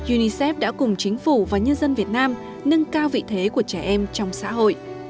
unicef đã cùng chính phủ và nhân dân việt nam nâng cao vị thế của trẻ em trong xã hội